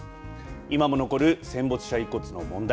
今も残る戦没者遺骨の問題。